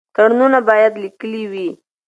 تړونونه باید لیکلي وي.